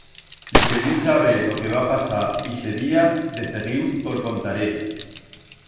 Si queriz saber lo que va pasar ixe día, de seguiu to'l contaré.